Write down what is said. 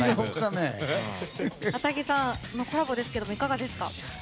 ａｔａｇｉさんコラボですけどいかがですか？